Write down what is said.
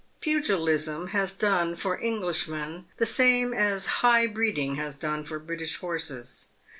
Pugilism has done for Englishmen the same as high breeding has done for British horses.